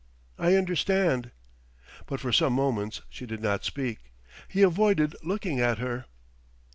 "I understand...." But for some moments she did not speak. He avoided looking at her.